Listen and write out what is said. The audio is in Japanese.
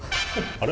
あれ？